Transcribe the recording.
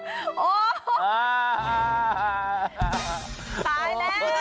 ตายแล้ว